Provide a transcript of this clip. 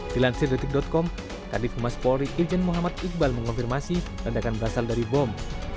di lansir detik com kadif mas polri iljen muhammad iqbal mengonfirmasi ledakan berasal dari bom